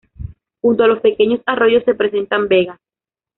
Junto a los pequeños arroyos se presentan vegas.